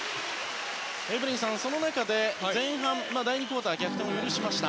その中で、前半第２クオーターで逆転を許しました。